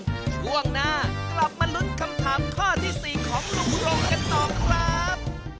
ช่วงหน้ากลับมาลุ้นคำถามข้อที่๔ของลุงลงกันต่อครับ